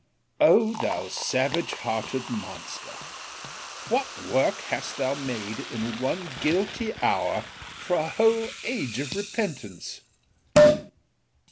O thou savage hearted monster! What work hast thou made in one guilty hour, for a whole age of repentance!